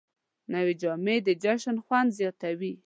نوې جامې د جشن خوند زیاتوي